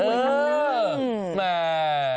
เออแม่